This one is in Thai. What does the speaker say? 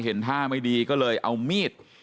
เห็นท่าไม่ดีก็เลยเอามีด